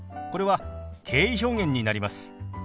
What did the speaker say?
これは敬意表現になります。